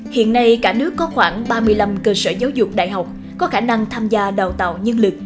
hiện nay cả nước có khoảng ba mươi năm cơ sở giáo dục đại học có khả năng tham gia đào tạo nhân lực